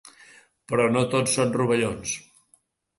Però no tot són rovellons.